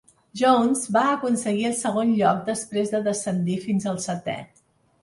Jones va aconseguir el segon lloc després de descendir fins al setè.